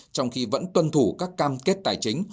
trong khi vẫn tuân thủ các cam kết tài chính